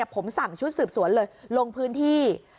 ผมสั่งชุดสืบสวนเลยลงพื้นที่